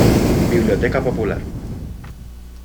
Biblioteca Popular.